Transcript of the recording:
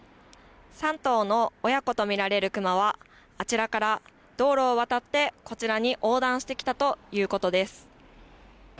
３頭の親子と見られる熊はあちらから道路を渡ってこちらに横断してきたということです。